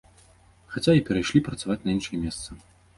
Хаця і перайшлі працаваць на іншае месца.